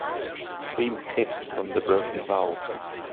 Steam hissed from the broken valve.